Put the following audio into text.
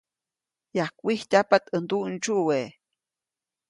Yajkwijtyajpaʼt ʼäj nduʼndsyuwe.